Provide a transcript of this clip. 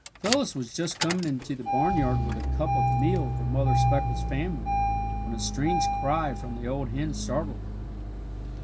Phyllis was just coming into the barnyard with a cup of meal for Mother Speckle's family, when a strange cry from the old hen startled her.